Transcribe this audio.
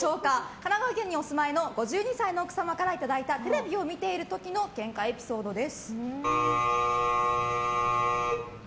神奈川県にお住まいの５２歳の奥様からいただいたテレビを見ている時のけんかエピソードです。